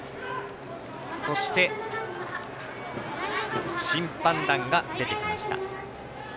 そして、審判団が出てきました。